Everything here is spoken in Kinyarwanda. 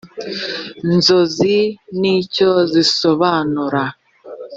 nzozi n icyo zisobanura